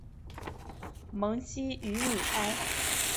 蒙希于米埃。